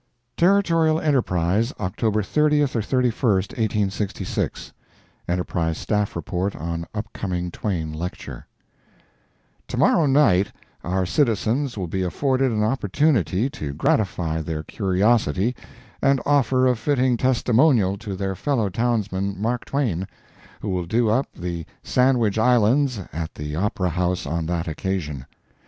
Territorial Enterprise, October 30 or 31, 1866 [Enterprise Staff report on upcoming Twain lecture] Tomorrow night our citizens will be afforded an opportunity to gratify their curiosity and offer a fitting testimonial to their fellow townsman, Mark Twain, who will do up the Sandwich Islands at the Opera House on that occasion.